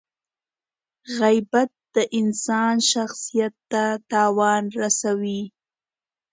• غیبت د انسان شخصیت ته تاوان رسوي.